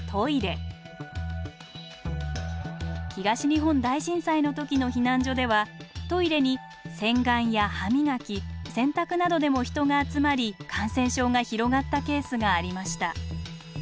東日本大震災の時の避難所ではトイレに洗顔や歯磨き洗濯などでも人が集まり感染症が広がったケースがありました。